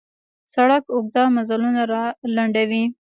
سړک اوږده مزلونه را لنډوي.